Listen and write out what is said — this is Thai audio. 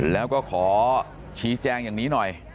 แล้วก็ขอชี้แจงอย่างนี้หน่อย